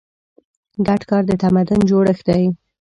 ګډ کار د تمدن جوړښت دی.